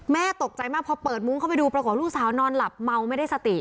แม่ตกใจมากพอเปิดมุ้งเข้าไปดูปรากฏลูกสาวนอนหลับเมาไม่ได้สติ